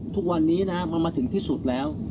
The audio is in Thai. ทุกวันนี้นะครับพอมาถึงที่สุดแล้ว